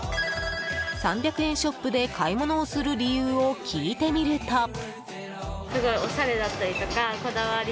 ３００円ショップで買い物をする理由を聞いてみると。